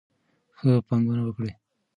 ښه پانګونه وکړئ.